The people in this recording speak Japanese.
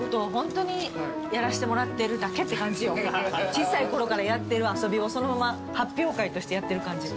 小さいころからやってる遊びをそのまま発表会としてやってる感じ。